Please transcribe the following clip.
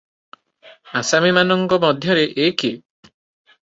ଆସାମୀମାନଙ୍କ ମଧ୍ୟରେ ଏ କିଏ?